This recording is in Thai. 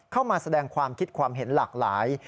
เข้ามาแสดงความคิดความเห็นหลากหลาย